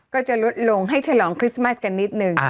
ก็จะลดลงให้ฉลองคริสต์มัสกันนิดนึง